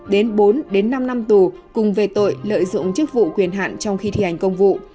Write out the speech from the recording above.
đến bốn đến năm năm tù cùng về tội lợi dụng chức vụ quyền hạn trong khi thi hành công vụ